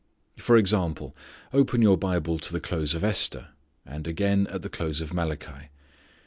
For example, open your Bible to the close of Esther, and again at the close of Malachi.